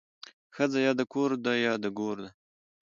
ښځه يا د کور ده يا د ګور ده